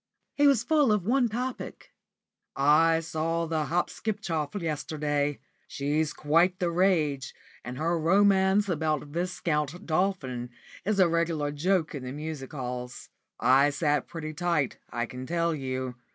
He was full of one topic. "I saw the Hopskipchoff yesterday. She's quite the rage, and her romance about Viscount Dolphin is a regular joke in the music halls. I sat pretty tight, I can tell you.